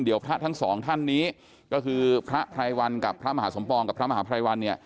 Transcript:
เดี๋ยวพระทั้งสองท่านนี้ก็คือพระไพรวันกับพระมหาสมปองกับพระมหาภัยวันเนี่ย